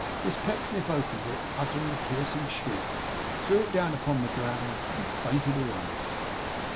Miss Pecksniff opened it, uttered a piercing shriek, threw it down upon the ground, and fainted away.